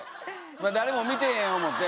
誰も見てへん思って。